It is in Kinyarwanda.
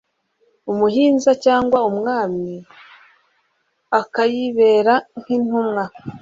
umuhinza cyangwa umwami akayibera nk'intumwa